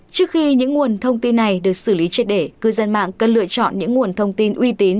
trước khi những nguồn thông tin này được xử lý triệt để cư dân mạng cần lựa chọn những nguồn thông tin uy tín